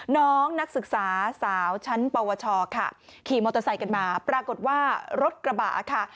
น้องนักศึกษาสาวชั้นปวชค่ะขี่มอเตอร์ไซค์กันมาปรากฏว่ารถกระบะค่ะ